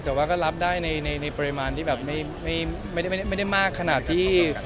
แต่ว่าก็รับได้ในปริมาณที่แบบไม่ได้มากขนาดที่